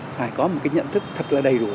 phải có một cái nhận thức thật là đầy đủ